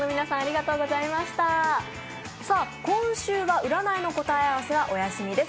今週は占いの答え合わせはおやすみです。